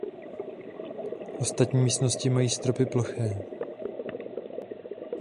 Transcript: Ostatní místnosti mají stropy ploché.